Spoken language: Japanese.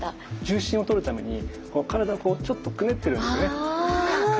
重心をとるために体をちょっとくねってるんですね。